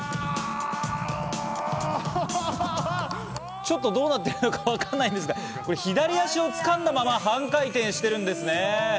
ちょっとどうなってるのか分からないんですが左足を掴んだまま半回転してるんですね。